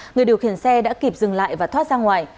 người điều khiển xe đã kịp dừng lại và thoát ra ngoài